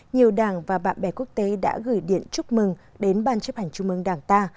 nhiều đảng và bạn bè quốc tế đã gửi điện chúc mừng đến ban chấp hành trung mương đảng ta